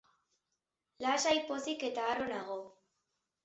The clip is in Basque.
Lasai, pozik eta harro nago.